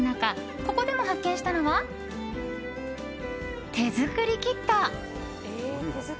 ここでも発見したのは手作りキット。